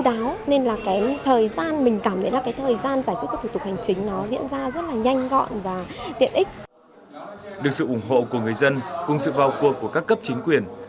được sự ủng hộ của người dân cùng sự vào cuộc của các cấp chính quyền